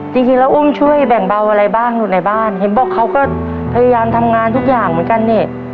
จริงแล้วอุ้มช่วยแบ่งเบาอะไรบ้างอยู่ในบ้านเห็นบอกเขาก็พยายามทำงานทุกอย่างเหมือนกันเนี่ย